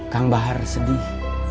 kang bahar sedih